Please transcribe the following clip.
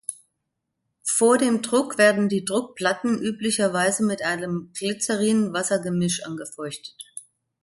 Vor dem Druck werden die Druckplatten üblicherweise mit einem Glycerin-Wasser-Gemisch angefeuchtet.